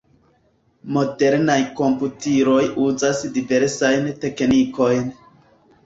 Modernaj komputiloj uzas diversajn teknikojn.